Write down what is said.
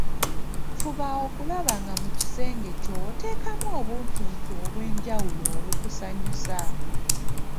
Fuba okulaba nga mu kisenge kyo oteekamu obuntuntu obwenjawulo obukusanyusa.